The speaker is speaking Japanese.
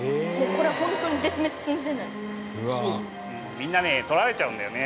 みんなね採られちゃうんだよね。